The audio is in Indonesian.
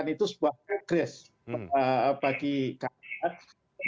itu sebuah progres bagi kami